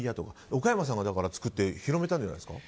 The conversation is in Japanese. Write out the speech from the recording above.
岡山さんが作って広めたんじゃないですか？